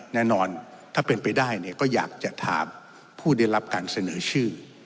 แน่นอนถ้าเป็นไปได้เนี่ยก็อยากจะถามผู้ได้รับการเสนอชื่อ